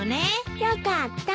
よかった。